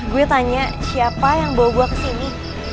gue tanya siapa yang bawa gue kesini